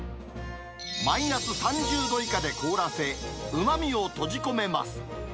マイナス３０度以下で凍らせ、うまみを閉じ込めます。